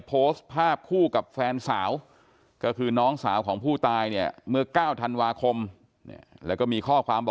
เพราะว่าทางนี้ก็ตายหนูก็ไม่รู้ว่า